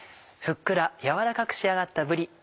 ふっくら軟らかく仕上がったぶり